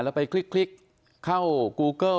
แล้วไปคลิกเข้ากูเกิล